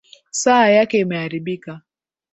Saa yake imeharibika